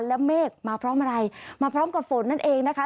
และเมฆมาพร้อมอะไรมาพร้อมกับฝนนั่นเองนะคะ